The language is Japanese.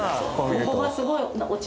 ここがすごい。